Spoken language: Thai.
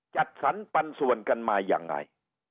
จัดสรรปันส่วนกันมายังไง